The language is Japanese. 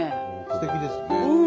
すてきですね。